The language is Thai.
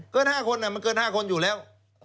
เกิน๕คนมันเกิน๕คนอยู่แล้ว